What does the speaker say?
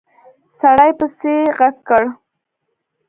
سړي پسې غږ کړ!